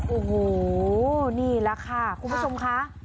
โอ้โหนี่แหละค่ะคุณผู้ชมค่ะ